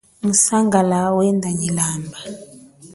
Musangala wenda nyi lamba.